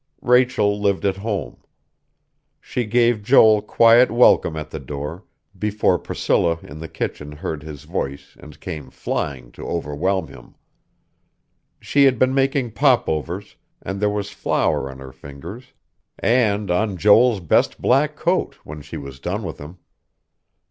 Rachel lived at home. She gave Joel quiet welcome at the door, before Priscilla in the kitchen heard his voice and came flying to overwhelm him. She had been making popovers, and there was flour on her fingers and on Joel's best black coat, when she was done with him.